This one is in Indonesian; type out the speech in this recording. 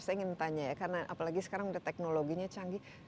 saya ingin tanya ya karena apalagi sekarang udah teknologinya canggih